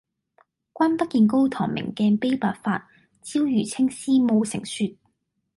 君不見高堂明鏡悲白髮，朝如青絲暮成雪